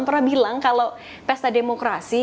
pernah bilang kalau pesta demokrasi